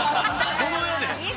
この世で。